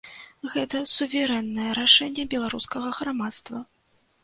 Гэта суверэннае рашэнне беларускага грамадства.